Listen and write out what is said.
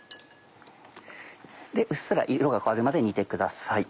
うっすら色が変わるまで煮てください。